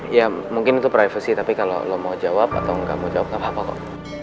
ya mungkin itu privacy tapi kalau lo mau jawab atau nggak mau jawab gak apa apa kok